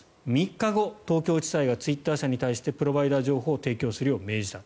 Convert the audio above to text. ３日後、東京地裁がツイッター社に対してプロバイダー情報を提供するよう命じた。